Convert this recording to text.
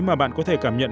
mà bạn có thể cảm nhận